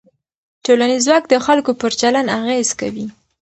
ټولنیز ځواک د خلکو پر چلند اغېز کوي.